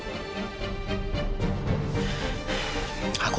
aku mau mbak asur